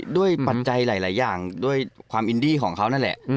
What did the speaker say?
ปัจจัยหลายอย่างด้วยความอินดี้ของเขานั่นแหละ